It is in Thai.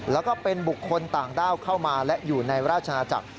แล้วก็เป็นบุคคลต่างด้าวเข้ามาและอยู่ในราชนาจักร